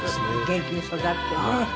元気に育ってね。